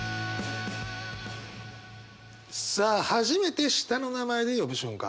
初めて下の名前で呼ぶ瞬間。